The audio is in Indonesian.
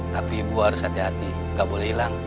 tapi ibu harus hati hati gak boleh hilang